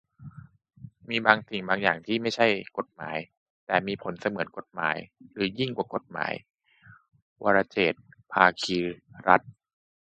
"มีบางสิ่งบางอย่างที่ไม่ใช่กฎหมาย แต่มีผลเสมือนเป็นกฎหมาย หรือยิ่งกว่ากฎหมาย" - วรเจตน์ ภาคีรัตน์